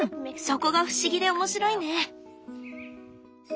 そこが不思議で面白いね！